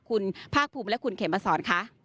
คุณภาคภูมิและคุณเขมมาสอนค่ะ